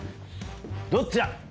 どっちだ